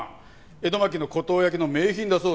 江戸末期の湖東焼の名品だそうだ。